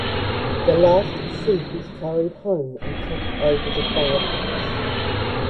The last sheaf is carried home and kept over the fireplace.